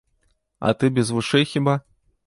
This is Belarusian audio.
А ты без вушэй хіба?